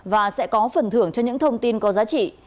và sẽ có phần thưởng cho những thông tin có giá trị